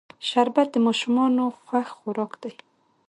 شربت د ماشومانو خوښ خوراک دی